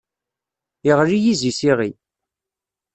Iɣli yizi s iɣi.